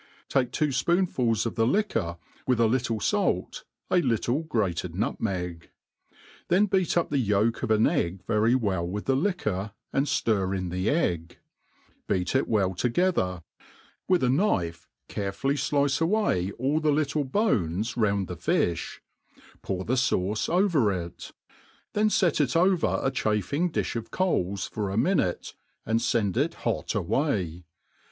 Take two fpoonfuls of the liquor, with a little fait, a little grated nutmeg; then beat up the yolk of an egg very well with the liquor, and Air in the egg ; beat it well together^ with a knife carefully flice away all the little 24a THE ART OF CQOKERY bones round the iifli, pour the fauce over it ; then fet it Over a cbafing di(b of coals for a minute, and fend it Iiot away.